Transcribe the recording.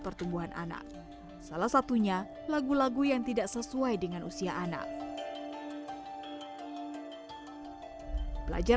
pertumbuhan anak salah satunya lagu lagu yang tidak sesuai dengan usia anak belajar